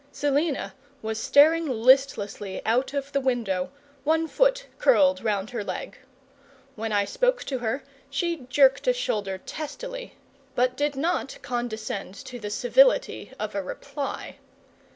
Selina was staring listlessly out of the window, one foot curled round her leg. When I spoke to her she jerked a shoulder testily, but did not condescend to the civility of a reply.